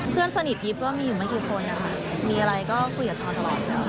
เพื่อนสนิทยิบก็มีอยู่ไม่กี่คนนะคะมีอะไรก็คุยกับช้อนตลอด